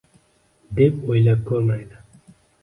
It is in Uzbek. deb o’ylab ko’rmaydi